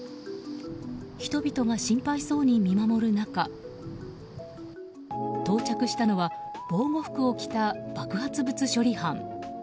人々が心配そうに見守る中到着したのは防護服を着た爆発物処理班。